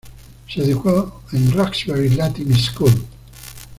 Se educó en Roxbury Latin School.